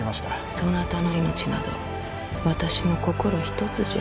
そなたの命など私の心ひとつじゃ。